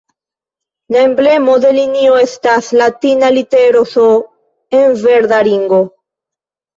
La emblemo de linio estas latina litero "S" en verda ringo.